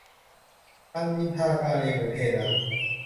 อันนินทากาเล เหมือนเทน้ำ